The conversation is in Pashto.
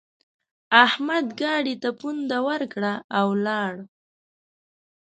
احمد ګاډي ته پونده ورکړه؛ او ولاړ.